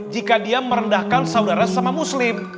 jika dia merendahkan saudara sesama muslim